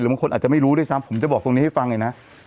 บางคนอาจจะไม่รู้ด้วยซ้ำผมจะบอกตรงนี้ให้ฟังเลยนะ